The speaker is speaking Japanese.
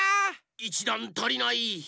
１だんたりない。